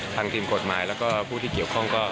ทีมกฎหมายแล้วก็ผู้ที่เกี่ยวข้องก็